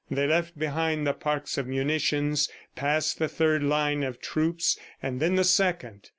They left behind the parks of munitions, passed the third line of troops, and then the second.